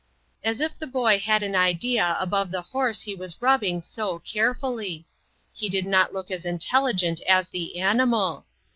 As if the boy had an idea above the horse he was rubbing so carefully ! He did not look as intelligent as the animal.